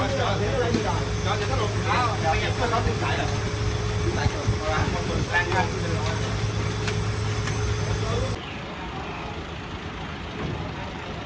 สวัสดีครับสวัสดีครับ